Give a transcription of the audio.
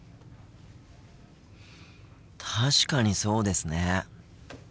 確かにそうですね。